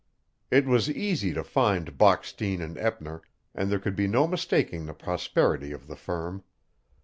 It was easy to find Bockstein and Eppner, and there could be no mistaking the prosperity of the firm.